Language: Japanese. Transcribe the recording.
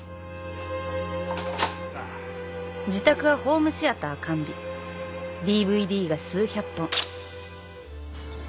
自宅はホームシアター完備ＤＶＤが数百本。